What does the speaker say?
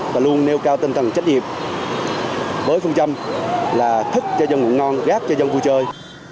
và luôn nêu cao tinh thần trách nhiệm với phương châm là thức cho dân ngủ ngon gác cho dân vui chơi